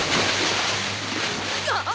あっ。